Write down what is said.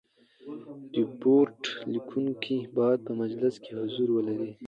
ریپورټ لیکوونکی باید په مجلس کي حضور ولري.